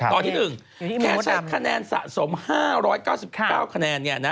ตอนที่๑แค่ใช้คะแนนสะสม๕๙๙คะแนน